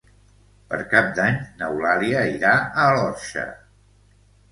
Per Cap d'Any n'Eulàlia irà a l'Orxa.